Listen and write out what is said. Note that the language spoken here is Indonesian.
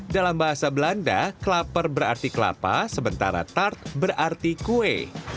dalam bahasa belanda kelaper berarti kelapa sementara tart berarti kue